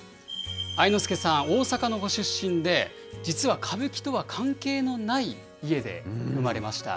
愛之助さん、大阪のご出身で、実は歌舞伎とは関係のない家で生まれました。